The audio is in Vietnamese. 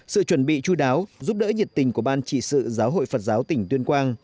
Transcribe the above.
sự chuẩn bị chú đáo giúp đỡ nhiệt tình của ban trị sự giáo hội phật giáo tỉnh tuyên quang